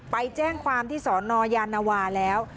ไปแจ้งความที่สนยานวาแล้ว